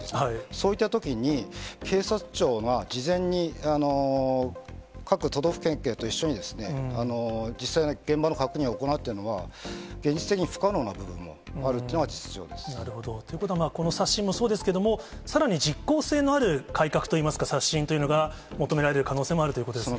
そういったときに、警察庁が事前に各都道府県警と一緒にですね、実際の現場の確認を行うというのは、現実的に不可能な点もあるとということは、この刷新もそうですけれども、さらにじっこう性のある改革といいますか、刷新というのが、求められる可能性もあるということですね。